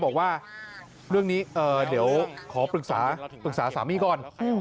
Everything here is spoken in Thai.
บอกว่าเรื่องนี้เดี๋ยวขอปรึกษาปรึกษาสามีก่อน